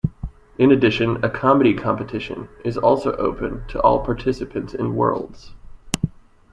In addition, a comedy competition is also open to all participants in Worlds.